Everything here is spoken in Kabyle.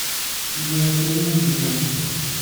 Imir-a kan ay t-id-tufamt.